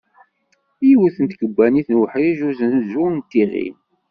Yiwet n tkebannit n uḥric n uznuzu d tiɣin.